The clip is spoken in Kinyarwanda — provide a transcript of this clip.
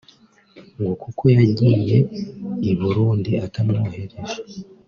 ngo kuko yagiye i Burundi atamwohereje